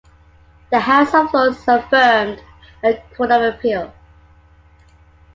The House of Lords affirmed the Court of Appeal.